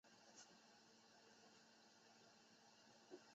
但是在中国的农历是以黑月做为一个月的开始。